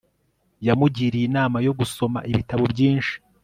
yamugiriye inama yo gusoma ibitabo byinshi